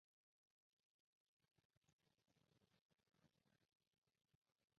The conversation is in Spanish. Se encuentra en las comunidades de Holbrook y Navajo.